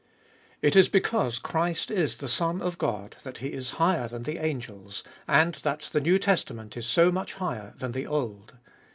7). IT is because Christ is the Son of God that He is higher than the angels, and that the New Testament is so much higher than the Old.